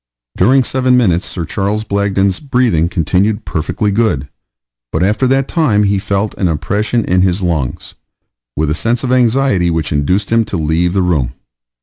During seven minutes Sir C. Blagden's breathing continued perfectly good, but after that time he felt an oppression in his lungs, with a sense of anxiety, which induced him to leave the room.